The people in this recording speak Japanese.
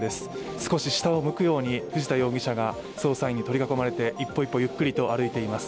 少し下を向くように藤田容疑者が捜査員に取り囲まれて一歩一歩ゆっくりと歩いています。